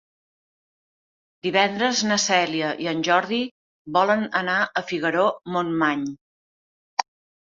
Divendres na Cèlia i en Jordi volen anar a Figaró-Montmany.